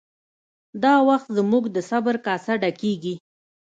دا وخت زموږ د صبر کاسه ډکیږي